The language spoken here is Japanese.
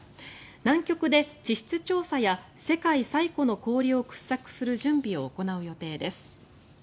南極で地質調査や世界最古の氷を掘削する準備を行う予定です。